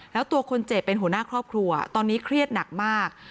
แล้วตัวคนเจ็บเป็นหัวหน้าครอบครัวตอนนี้เครียดหนักมาก